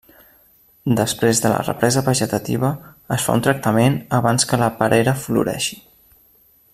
Després de la represa vegetativa es fa un tractament abans que la perera floreixi.